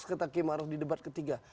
ketika kemaruf di debat ketiga